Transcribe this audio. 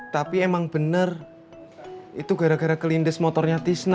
tapi emang bener itu gara gara kelindes motornya tisna